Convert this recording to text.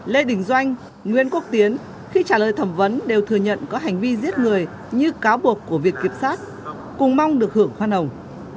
lê đình doanh nguyễn quốc tiến khi trả lời thẩm vấn đều thừa nhận có hành vi giết người như cáo buộc của viện kiểm sát cùng mong được hưởng khoan hồng